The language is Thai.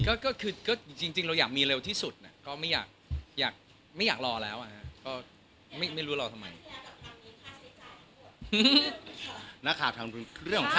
ก็ต้องมีเร็วที่สุดซึ่งไม่อยากรอแล้วนะไม่รู้แล้วทำไม